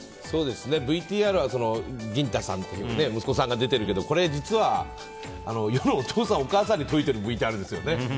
ＶＴＲは、ぎん太さんという息子さんが出てるけどこれ実は、世のお父さんお母さんに説いてるＶＴＲですよね。